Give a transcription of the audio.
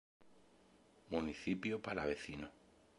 Municipio Palavecino.